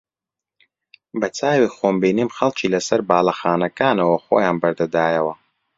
بەچاوی خۆم بینیم خەڵکی لەسەر باڵەخانەکانەوە خۆیان بەردەدایەوە